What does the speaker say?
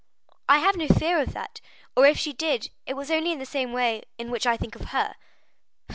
"I have no fear of that; or, if she did, it was only in the same way in which I think of her."